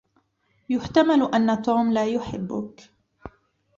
يحتمل أن توم لا يحبك.